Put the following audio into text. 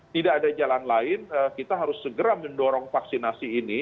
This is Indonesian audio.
tidak ada jalan lain kita harus segera mendorong vaksinasi ini